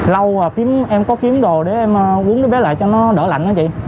lâu rồi em có kiếm đồ để em uống đứa bé lại cho nó đỡ lạnh